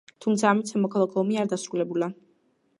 თუმცა ამით სამოქალაქო ომი არ დასრულებულა.